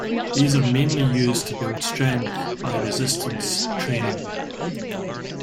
These are mainly used to build strength by resistance training.